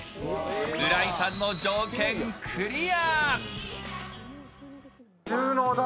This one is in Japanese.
浦井さんの条件クリア。